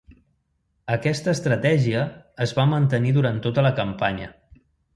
Aquesta estratègia es va mantenir durant tota la campanya.